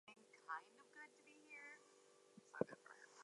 The battle resulted in a decisive Roman defeat.